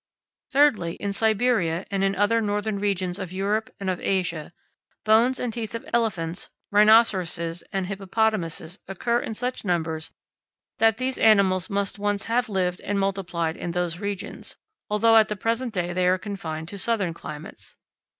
Thirdly, in Siberia and in other northern regions of Europe and of Asia, bones and teeth of elephants, rhinoceroses, and hippopotamuses occur in such numbers that these animals must once have lived and multiplied in those regions, although at the present day they are confined to southern climates.